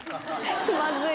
気まずい。